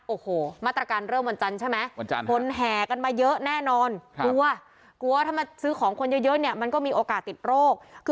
โอ้โหมัตตรการเริ่มวันจันทร์ใช่ไหม